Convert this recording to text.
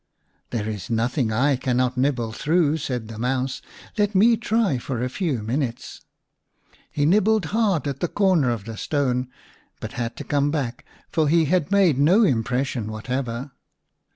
" There is nothing I cannot nibble through," said the Mouse. " Let me try for a few minutes." He nibbled hard at the corner of the stone, but had to come back, for he had made no im pression whatever.